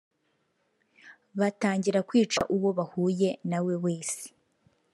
batangira kwica uwo bahuye nawe wese